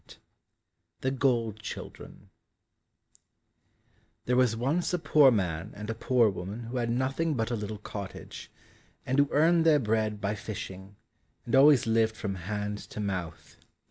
85 The Gold Children There was once a poor man and a poor woman who had nothing but a little cottage, and who earned their bread by fishing, and always lived from hand to mouth.